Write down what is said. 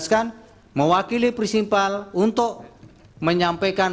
yang menyukai knowah ntypeadi dan